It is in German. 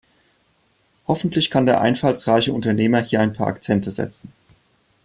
Hoffentlich kann der einfallsreiche Unternehmer hier ein paar Akzente setzen.